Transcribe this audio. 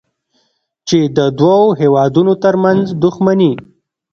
چې د دوو هېوادونو ترمنځ دوښمني